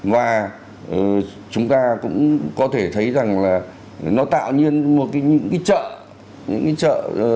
và chúng ta cũng có thể thấy rằng là nó tạo nên một cái chợ